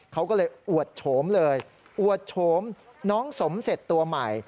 เขาก็เลยอวดโฉมเลยอวดโฉมน้องสมเสร็จตัวใหม่